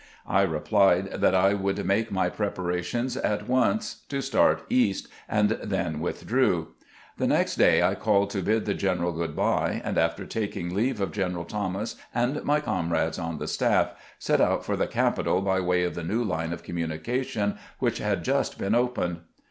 I replied that I would make my preparations at once to start East, and then withdrew. The next day I called to bid the gen eral good by, and, after taking leave of General Thomas and my comrades on the staff, set out for the capital by way of the new line of communication which had just been opened.